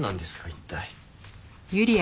一体。